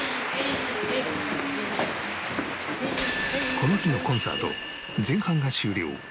この日のコンサート前半が終了